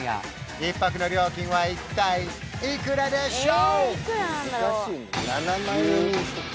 １泊の料金は一体いくらでしょう？